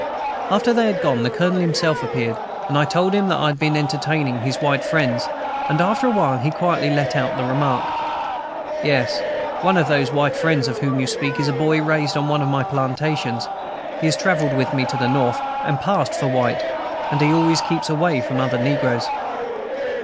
After they had gone, the Colonel himself appeared, I told him that I had been entertaining his white friends, and after a while he quietly let out the remark, "Yes, one of those white friends of whom you speak is a boy raised on one of my plantations; he has travelled with me to the North, and passed for white, and he always keeps away from the negroes."